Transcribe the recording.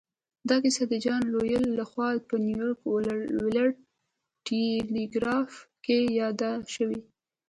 دا کیسه د جان لویل لهخوا په نیویارک ورلډ ټیليګراف کې یاده شوې